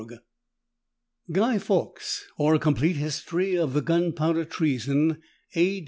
GUY FAWKES; OR, A COMPLETE HISTORY OF THE GUNPOWDER TREASON, A.